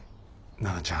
奈々ちゃん。